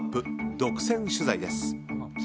独占取材です。